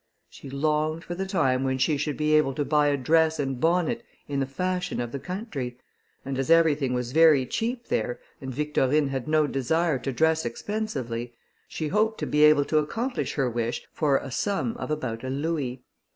She longed for the time when she should be able to buy a dress and bonnet in the fashion of the country, and as everything was very cheap there, and Victorine had no desire to dress expensively, she hoped to be able to accomplish her wish for a sum of about a louis.